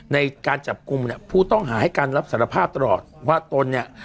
ในการจับกลุ่มพูดต้องหาให้การรับณะภาพตลอดว่าต้นนี่